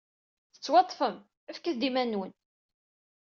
Tettwaḍḍfem. Fket-d iman-nwen!